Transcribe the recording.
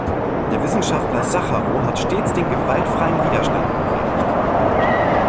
Der Wissenschaftler Sacharow hat stets den gewaltfreien Widerstand gepredigt.